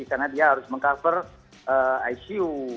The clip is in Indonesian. karena dia harus meng cover icu